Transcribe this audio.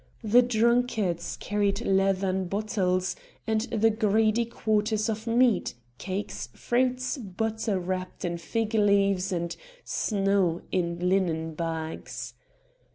The drunkards carried leathern bottles, and the greedy quarters of meat, cakes, fruits, butter wrapped in fig leaves, and snow in linen bags.